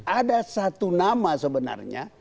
ada satu nama sebenarnya